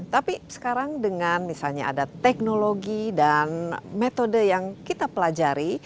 tapi sekarang dengan misalnya ada teknologi dan metode yang kita pelajari